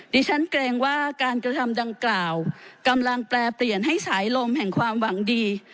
เกรงว่าการกระทำดังกล่าวกำลังแปรเปลี่ยนให้สายลมแห่งความหวังดี